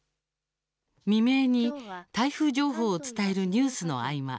未明に、台風情報を伝えるニュースの合間